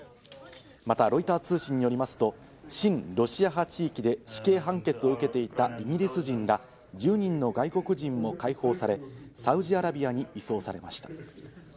またロイター通信によりますと、親ロシア派地域で死刑判決を受けていたイギリス人ら１０人の外国人も解放され、サウジアラビアに移送されました。